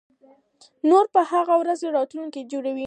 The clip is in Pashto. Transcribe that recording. نو په هغه ورځ د راتلونکي جوړولو لپاره وخت نه و